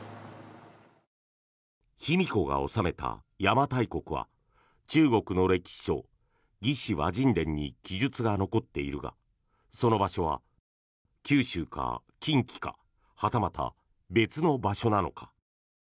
卑弥呼が治めた邪馬台国は中国の歴史書「魏志倭人伝」に記述が残っているがその場所は九州か近畿かはたまた別の場所なのか。